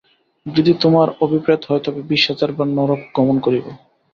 যদি তোমার অভিপ্রেত হয়, তবে বিশ হাজার বার নরক গমন করিব।